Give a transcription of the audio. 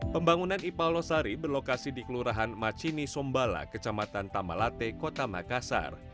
pembangunan ipal losari berlokasi di kelurahan macini sombala kecamatan tamalate kota makassar